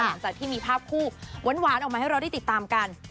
หลังจากที่มีภาพคู่หวานออกมาให้เราได้ติดตามกัน